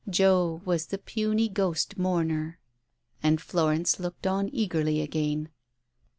Joe was the puny ghost mourner. ... And Florence looked on eagerly again.